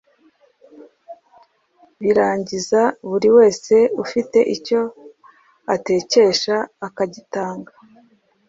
barangiza buri wese ufite icyo atekesha akagitanga